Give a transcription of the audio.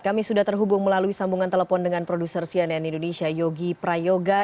kami sudah terhubung melalui sambungan telepon dengan produser cnn indonesia yogi prayoga